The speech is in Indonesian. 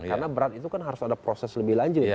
karena berat itu kan harus ada proses lebih lanjut